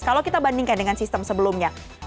kalau kita bandingkan dengan sistem sebelumnya